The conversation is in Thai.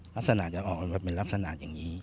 ลักษณะจะออกมาเป็นลักษณะอย่างนี้